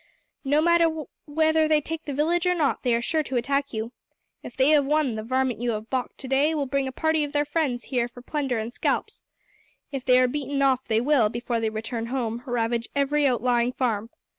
"No matter whether they take the village or not, they are sure to attack you. If they have won, the varmint you have baulked to day will bring a party of their friends here for plunder and scalps. If they are beaten off they will, before they return home, ravage every outlying farm.